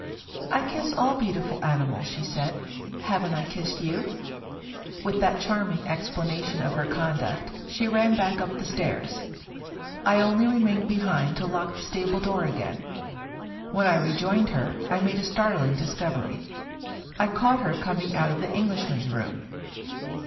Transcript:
" I kiss all beautiful animals/' she said. " Haven't I kissed you?" With that charming explanation of her conduct, she ran back up the stairs. I only remained behind to lock the stable door again. When I rejoined her, I made a startling discovery. I caught her coming out of the Eng lishman's room.